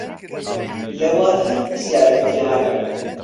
لە واتای پرسیارەکە تێناگەم.